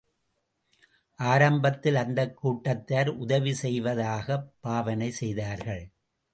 ஆரம்பத்தில் அந்தக் கூட்டத்தார் உதவி செய்வதாகப் பாவனை செய்தார்கள்.